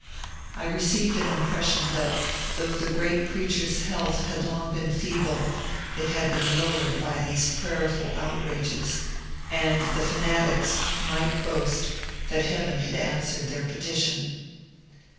I received an impression that though the great preacher's health had long been feeble, it had been low ered by these prayerful outrages, and the fanatics might boast that Heaven had answered their petition.